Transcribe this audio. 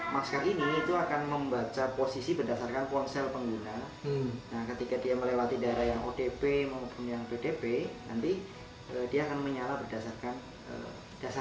masker ini akan membaca posisi berdasarkan ponsel pengguna